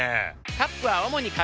カップは主に紙。